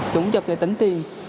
chúng chật thì tính tiền